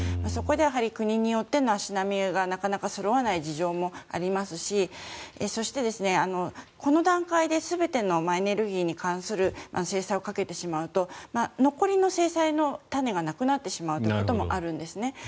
そこで国によって足並みがなかなかそろわない事情もありますしそしてこの段階で全てのエネルギーに関する制裁をかけてしまうと残りの制裁の種がなくなってしまうこともあるんですね。